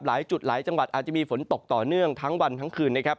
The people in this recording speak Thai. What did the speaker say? หลายจุดหลายจังหวัดอาจจะมีฝนตกต่อเนื่องทั้งวันทั้งคืนนะครับ